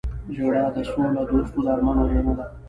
جګړه د سولهدوستو د ارمان وژنه ده